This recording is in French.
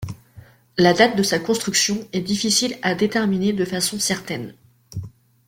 La date de sa construction est difficile à déterminer de façon certaine.